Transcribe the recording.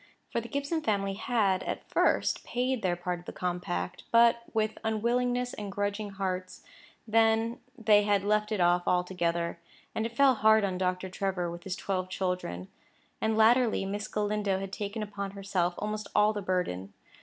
For the Gibson family had, at first, paid their part of the compact, but with unwillingness and grudging hearts; then they had left it off altogether, and it fell hard on Dr. Trevor with his twelve children; and, latterly, Miss Galindo had taken upon herself almost all the burden.